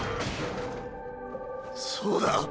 そうだ。